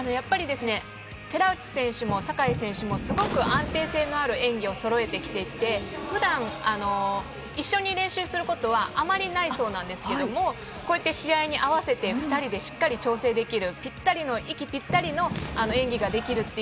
寺内選手も坂井選手もすごく安定性のある演技をそろえてきていて、普段一緒に練習することはあまりないそうなんですけど、こうやって試合に合わせて２人でしっかり調整できる。